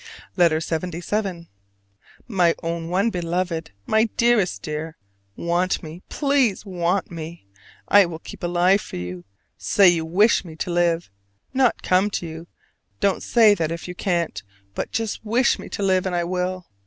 LETTER LXXVII. My own one beloved, my dearest dear! Want me, please want me! I will keep alive for you. Say you wish me to live, not come to you: don't say that if you can't but just wish me to live, and I will.